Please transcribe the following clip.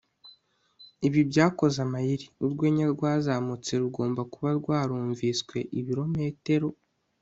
ibi byakoze amayeri. urwenya rwazamutse rugomba kuba rwarumviswe ibirometero